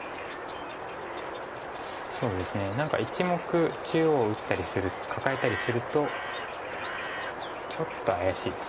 そうですね何か１目中央打ったりカカえたりするとちょっと怪しいです。